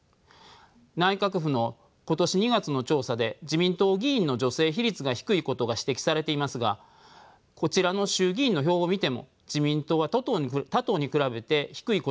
内閣府の今年２月の調査で自民党議員の女性比率が低いことが指摘されていますがこちらの衆議院の表を見ても自民党は他党に比べて低いことが分かります。